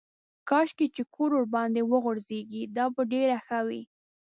کاشکې چې کور ورباندې وغورځېږي دا به ډېره ښه وي.